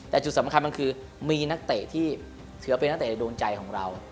แต่จุดสำคัญมันคือมีนักเตะที่ถือว่าเป็นนักเตะโดนใจของเรา